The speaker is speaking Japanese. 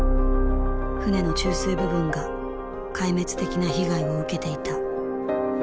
船の中枢部分が壊滅的な被害を受けていた。